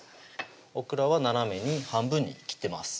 オクラは斜めに半分に切ってます